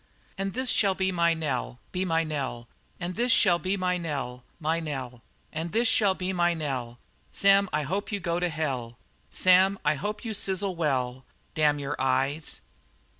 "And this shall be my knell, be my knell; And this shall be my knell my knell. And this shall be my knell: 'Sam, I hope you go to hell, Sam, I hope you sizzle well Damn your eyes!'"